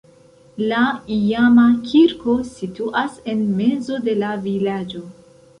La iama kirko situas en mezo de la vilaĝo.